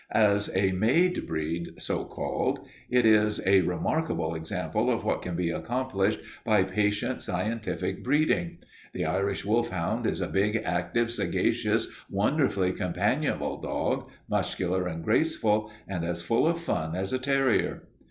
As a made breed, so called, it is a remarkable example of what can be accomplished by patient, scientific breeding. The Irish wolfhound is a big, active, sagacious, wonderfully companionable dog, muscular and graceful, and as full of fun as a terrier.